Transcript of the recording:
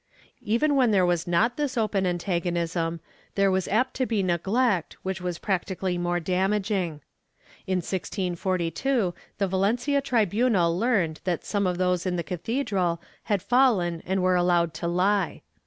* Even when there was not this open antagonism, there was apt to be neglect which was practically more damaging. In 1642, the Valencia tribunal learned that some of those in the cathedral had fallen and were allowed to lie.